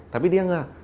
tapi dia enggak